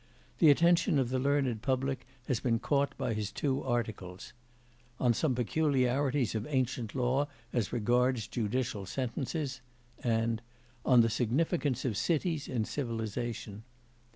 The attention of the learned public has been caught by his two articles: 'On some peculiarities of ancient law as regards judicial sentences,' and 'On the significance of cities in civilisation.